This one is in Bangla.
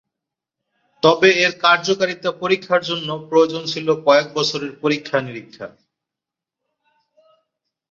তবে এর কার্যকারিতা পরীক্ষার জন্য প্রয়োজন ছিল কয়েক বছরের পরীক্ষা-নিরীক্ষা।